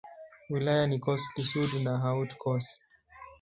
Wilaya ni Corse-du-Sud na Haute-Corse.